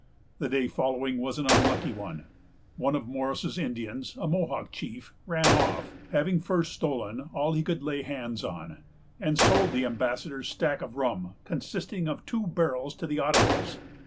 The day following was an unlucky one. One of Morris's Indians, a Mohawk chief, ran off, having first stolen all he could lay hands on, and sold the ambassador's stack of rum, consisting of two barrels, to the Ottawas.